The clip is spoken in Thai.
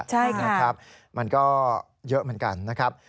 ใช่นะครับมันก็เยอะเหมือนกันนะครับ